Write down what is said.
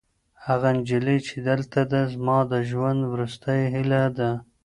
هغه نجلۍ چې دلته ده، زما د ژوند وروستۍ هیله ده.